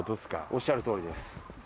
おっしゃるとおりです。